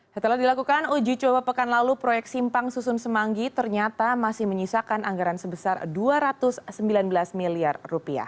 setelah dilakukan uji coba pekan lalu proyek simpang susun semanggi ternyata masih menyisakan anggaran sebesar rp dua ratus sembilan belas miliar